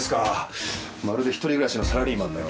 まるで一人暮らしのサラリーマンのようだ。